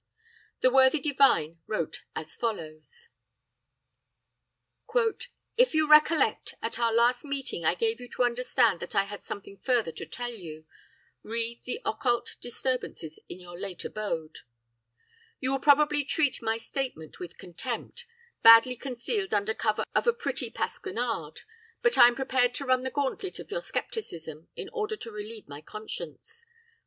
"The worthy divine wrote as follows: "'If you recollect, at our last meeting I gave you to understand that I had something further to tell you re the occult disturbances in your late abode. "'You will probably treat my statement with contempt, badly concealed under cover of a pretty pasquinade, but I am prepared to run the gauntlet of your scepticism in order to relieve my conscience.